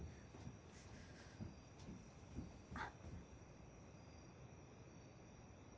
あっ。